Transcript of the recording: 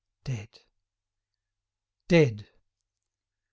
Dead! Dead!